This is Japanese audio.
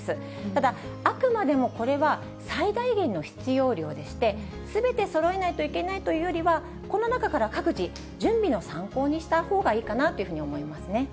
ただ、あくまでもこれは最大限の必要量でして、すべてそろえないといけないというよりは、この中から各自、準備の参考にしたほうがいいかなというふうに思いますね。